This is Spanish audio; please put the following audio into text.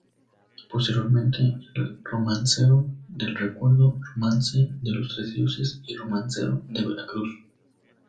Posteriormente, el "Romancero del Recuerdo", "Romance de los tres Dioses" y "Romancero de Veracruz".